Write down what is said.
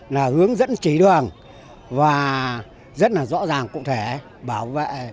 là hướng dẫn chỉ đường và rất là rõ ràng cụ thể bảo vệ